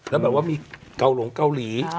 แล้วแบบว่ามีเกาหลงเกาหลี